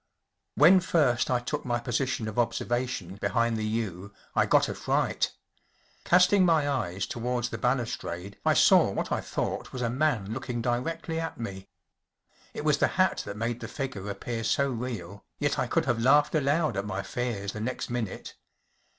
When first 1 took my position of observa¬ tion behind the yew I got a fright. Casting my eyes towards the balustrade, 1 saw what I thought was a man looking directly at me. It was the hat that made the figure appear so real, yet I could have laughed aloud at my fears the next minute.